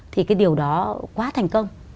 thì cái điều đó quá thành công